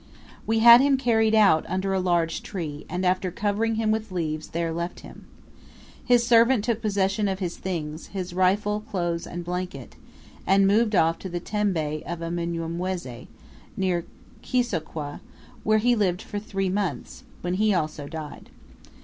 "We had him carried out under a large tree, and after covering him with leaves, there left him. His servant took possession of his things, his rifle, clothes, and blanket, and moved off to the tembe of a Mnyamwezi, near Kisokweh, where he lived for three months, when he also died.